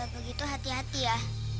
begitu hati hati ya